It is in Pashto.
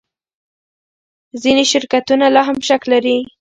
ځینې شرکتونه لا هم شک لري.